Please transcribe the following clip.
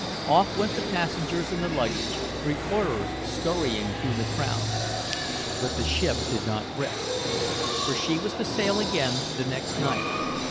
Off went the passengers and the luggage, reporters skurrying through the crowds. But the ship did not rest. For she was to sail again the next night.